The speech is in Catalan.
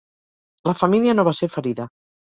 La família no va ser ferida.